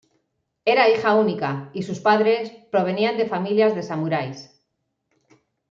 Era hija única, y sus padres provenían de familias de samuráis.